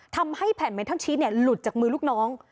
ทำให้แผ่นเมทัลชีสหลุดจากมือลูกน้อง